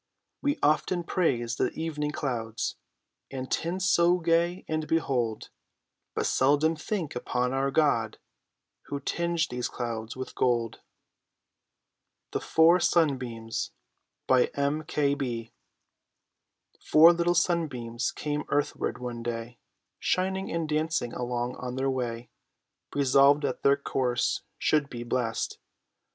We often praise the evening clouds, And tints so gay and bold, But seldom think upon our God, Who tinged these clouds with gold. Sir Walter Scott. [Illustration: GIANT SUN AND LITTLE EARTH.] THE FOUR SUNBEAMS. BY M. K. B. Four little sunbeams came earthward one day, Shining and dancing along on their way, Resolved that their course should be blest.